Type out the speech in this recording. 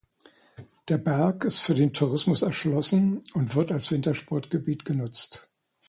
Der Berg ist für den Tourismus erschlossen und wird als Wintersportgebiet genutzt.